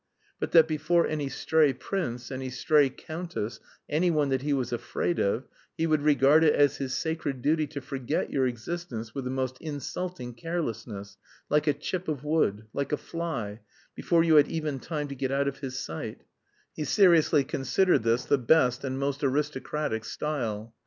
But that before any stray prince, any stray countess, anyone that he was afraid of, he would regard it as his sacred duty to forget your existence with the most insulting carelessness, like a chip of wood, like a fly, before you had even time to get out of his sight; he seriously considered this the best and most aristocratic style.